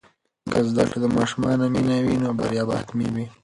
که زده کړه د ماشومانو مینه وي، نو بریا به حتمي وي.